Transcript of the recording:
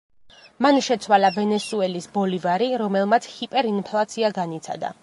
მან შეცვალა ვენესუელის ბოლივარი, რომელმაც ჰიპერინფლაცია განიცადა.